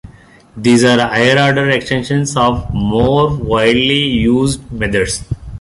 These are higher-order extensions of more widely used methods.